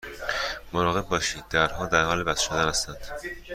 مراقب باشید، درها در حال بسته شدن هستند.